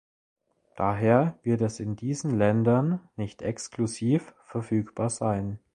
Daher wird es in diesen Ländern nicht exklusiv verfügbar sein.